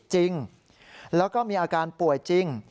จริงแล้วก็มีอาการป่วยจริง